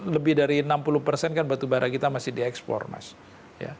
lebih dari enam puluh persen kan batubara kita masih diekspor mas